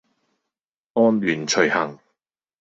按轡徐行